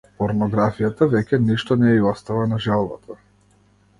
Порнографијата веќе ништо не ѝ остава на желбата.